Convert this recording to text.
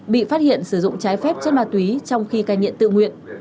bị phát hiện sử dụng trái phép chất ma túy trong khi cai nghiện tự nguyện